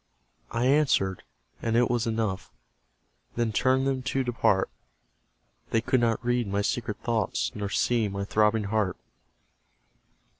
I answered and it was enough; They turned them to depart; They could not read my secret thoughts, Nor see my throbbing heart.